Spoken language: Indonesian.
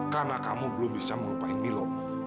karena kamu belum bisa melupaini lo